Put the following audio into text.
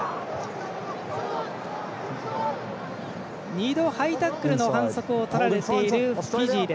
２度ハイタックルの反則をとられているフィジー。